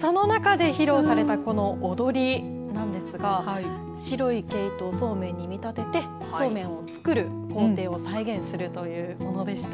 その中で披露されたこの踊りなんですが白い毛糸をそうめんに見立ててそうめんを作る工程を再現するというものでした。